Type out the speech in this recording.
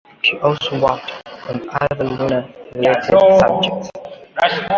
She also worked on other lunar related subjects.